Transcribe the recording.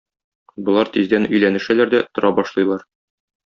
Болар тиздән өйләнешәләр дә тора башлыйлар.